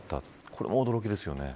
これも驚きですよね。